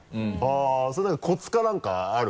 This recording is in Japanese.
それ何かコツか何かある？